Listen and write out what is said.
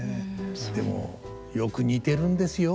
でもよく似てるんですよ